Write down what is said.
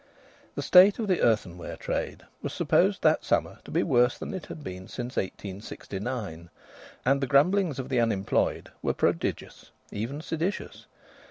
The state of the earthenware trade was supposed that summer to be worse than it had been since 1869, and the grumblings of the unemployed were prodigious, even seditious.